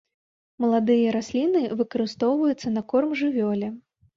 Маладыя расліны выкарыстоўваюцца на корм жывёле.